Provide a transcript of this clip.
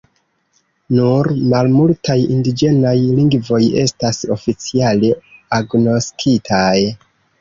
Nur malmultaj indiĝenaj lingvoj estas oficiale agnoskitaj.